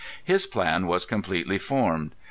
His plan was completely formed.